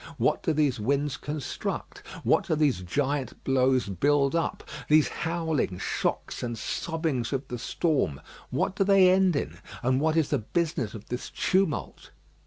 What do these winds construct? What do these giant blows build up? These howlings, shocks, and sobbings of the storm, what do they end in? and what is the business of this tumult?